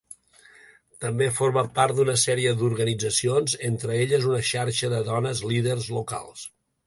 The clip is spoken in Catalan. També forma part d'una sèrie d'organitzacions, entre elles una xarxa de dones líders locals.